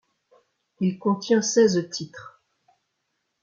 Il contient seize titres.